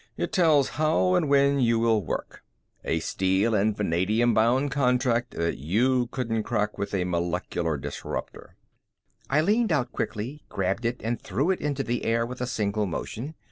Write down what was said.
"It tells how and when you will work. A steel and vanadium bound contract that you couldn't crack with a molecular disruptor." I leaned out quickly, grabbed it and threw it into the air with a single motion.